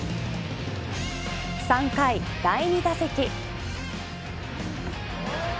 ３回第２打席。